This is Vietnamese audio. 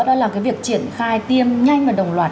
đó là cái việc triển khai tiêm nhanh và đồng loạt